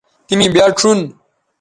تی می بیاد شون